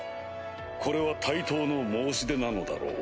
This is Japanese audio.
これは対等の申し出なのだろう？